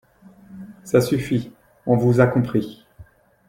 Ça suffit, on vous a compris